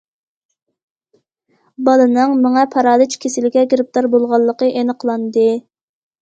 بالىنىڭ مېڭە پارالىچ كېسىلىگە گىرىپتار بولغانلىقى ئېنىقلاندى.